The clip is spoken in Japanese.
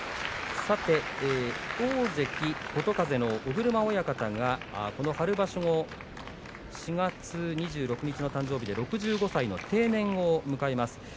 さて、大関琴風の尾車親方がこの春場所、４月２６日の誕生日で６５歳の定年を迎えます。